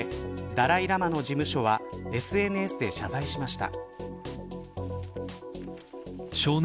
ダライ・ラマの事務所はＳＮＳで取材しました。